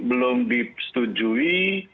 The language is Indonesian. dan belum disetujui